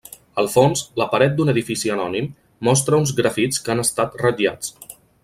El fons, la paret d’un edifici anònim, mostra uns grafits que han estat ratllats.